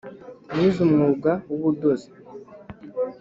Nize umwuga wubudozi